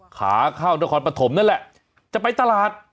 ขาข้าวตะขอนปฐมนั่นแหละจะไปตลาด